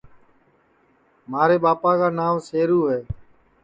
مھارے ٻاپا کا ناو شیرو ہے